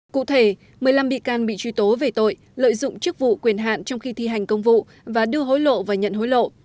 cụ thể một mươi năm bị can bị truy tố về tội lợi dụng chức vụ quyền hạn trong khi thi hành công vụ và đưa hối lộ và nhận hối lộ